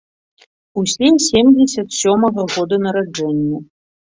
Усе семдзесят сёмага года нараджэння.